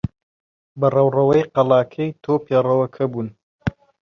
بە ڕەوڕەوەی قەڵاکەی تۆ پێڕەوکە بوون.